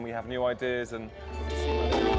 dan kita memiliki ide baru